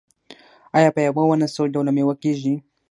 آیا په یوه ونه څو ډوله میوه کیږي؟